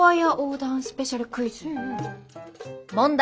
「問題！